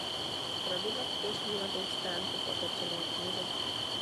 Zpravidla tvoří levou stránku v otevřené knize.